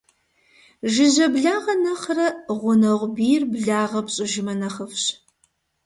Жыжьэ благъэ нэхърэ гъунэгъу бийр благъэ пщIыжмэ, нэхъыфIщ.